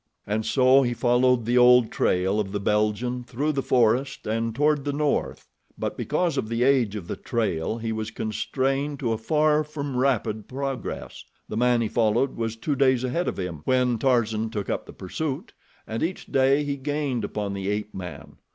And so he followed the old trail of the Belgian through the forest and toward the north; but because of the age of the trail he was constrained to a far from rapid progress. The man he followed was two days ahead of him when Tarzan took up the pursuit, and each day he gained upon the ape man.